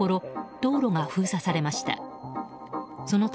道路が封鎖されました。